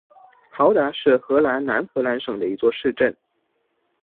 豪达是荷兰南荷兰省的一座市镇。